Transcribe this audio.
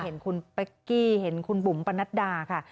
เห็นคุณเป๊กกี้เห็นคุณบุ๋มปะนัดดาค่ะ